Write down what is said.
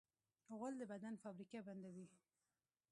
غول د بدن فابریکه بندوي.